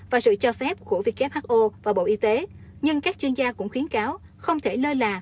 và sự cho phép của who và bộ y tế nhưng các chuyên gia cũng khuyến cáo không thể lơ là